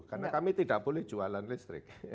karena kami tidak boleh jualan listrik